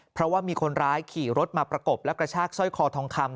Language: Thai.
เพราะว่ามีคนร้ายขี่รถมาประกบและกระชากสร้อยคอทองคำ